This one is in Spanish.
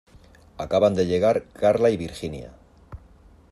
Acaban de llegar Carla y Virginia.